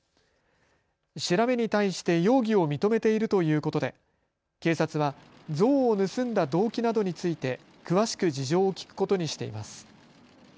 調べに対して容疑を認めているということで警察は像を盗んだ動機などについて詳しく事情を聴くことにしています。